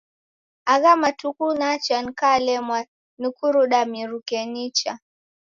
Agha matuku nacha nikalemwagha ni kuruda miruke nicha.